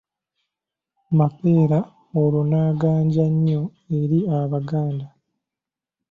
Mapeera olwo n'aganja nnyo eri Abaganda.